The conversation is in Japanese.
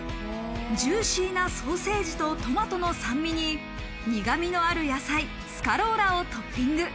ジューシーなソーセージとトマトの酸味に、苦味のある野菜・スカローラをトッピング。